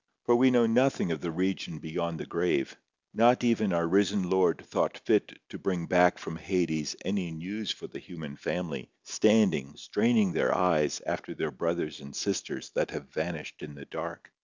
for we know nothing of the region beyond the grave! Not even our risen Lord thought fit to bring back from Hades any news for the human family standing straining their eyes after their brothers and sisters that have vanished in the dark.